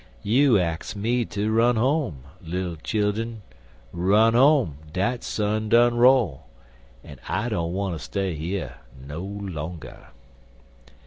You ax me ter run home, Little childun Run home, dat sun done roll An' I don't wanter stay yer no longer.